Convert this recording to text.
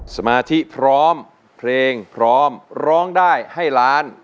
สมาธิพร้อมเพลงพร้อมร้องได้ให้ล้าน